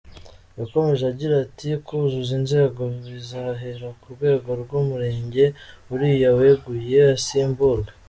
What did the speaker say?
Yakomeje agira ati “Kuzuza inzego bizahera ku rwego rw’umurenge uriya weguye asimburwe.